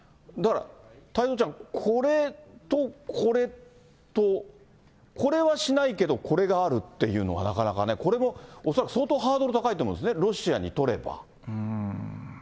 だから、太蔵ちゃん、これとこれと、これはしないけど、これがあるっていうのは、なかなかね。これも恐らく相当ハードル高いと思うんですね、ロシアにとれば。